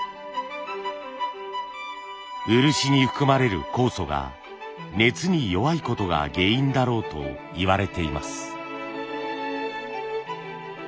漆に含まれる酵素が熱に弱いことが原因だろうといわれています。